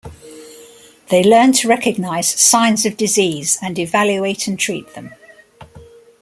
They learn to recognize signs of disease and evaluate and treat them.